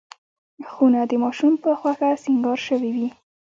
خونه د ماشوم په خوښه سینګار شوې وي.